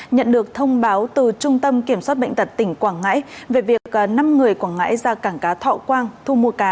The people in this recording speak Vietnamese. nhận được thông báo từ trung tâm kiểm soát bệnh tật tỉnh quảng ngãi về việc năm người quảng ngãi ra cảng cá thọ quang thu mua cá